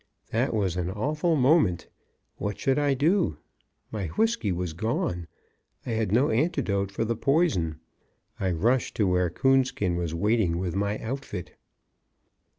That was an awful moment, What should I do? My whiskey was gone; I had no antidote for the poison. I rushed to where Coonskin was waiting with my outfit.